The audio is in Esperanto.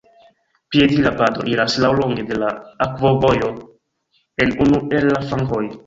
Piedira pado iras laŭlonge de la akvovojo en unu el la flankoj.